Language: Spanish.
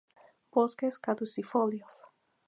Bosques caducifolios.